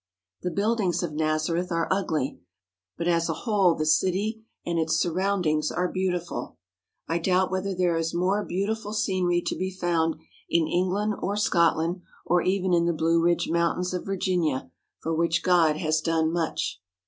The buildings of Nazareth are ugly, but as a whole the city and its surroundings are beautiful. I doubt whether there is more beautiful scenery to be found in England or Scotland, or even in the Blue Ridge Mountains of Vir ginia, for which God has done much.